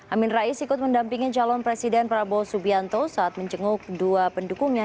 amin rais ikut mendampingi calon presiden prabowo subianto saat menjenguk dua pendukungnya